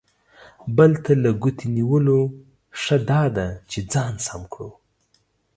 بل ته له ګوتې نیولو، ښه دا ده چې ځان سم کړو.